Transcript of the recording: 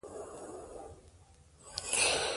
ماشوم باید د خپلې وینې پر باور تمرین وکړي.